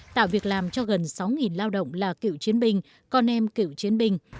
tạo việc làm cho gần sáu lao động là cựu chiến binh con em cựu chiến binh